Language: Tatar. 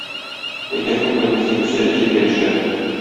Тәкә күпме генә сикерсә дә җиргә төшәр.